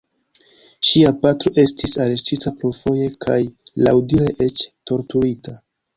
Ŝia patro estis arestita plurfoje kaj laŭdire eĉ torturita.